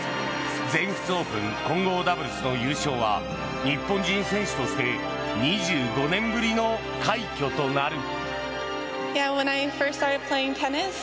全仏オープン混合ダブルスの優勝は日本人選手として２５年ぶりの快挙となる。